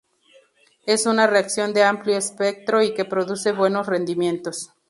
Es una reacción de amplio espectro y que produce buenos rendimientos.